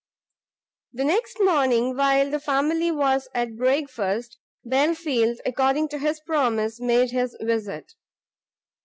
The next morning, while the family was at breakfast, Belfield, according to his promise, made his visit.